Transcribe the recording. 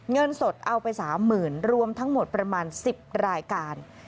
เงินสดเอาไป๓๐๐๐รวมทั้งหมดประมาณ๑๐รายการ